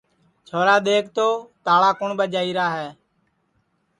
چھورا دَیکھ تو تاݪا کُوٹؔ ٻجائیرا ہے